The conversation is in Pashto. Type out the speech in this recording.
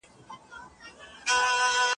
څنګه افغان صادروونکي خالص زعفران هند ته لیږدوي؟